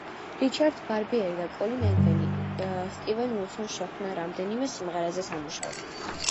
რიჩარდ ბარბიერი და კოლინ ედვინი სტივენ უილსონს შეხვდნენ რამდენიმე სიმღერაზე სამუშაოდ.